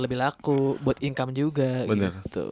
lebih laku buat income juga gitu